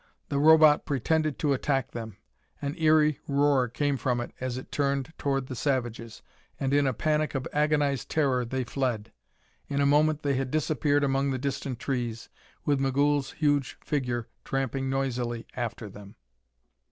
The Robot pretended to attack them. An eery roar came from it as it turned toward the savages, and in a panic of agonized terror they fled. In a moment they had disappeared among the distant trees, with Migul's huge figure tramping noisily after them.